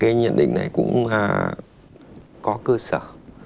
cái nhận định này cũng có cơ sở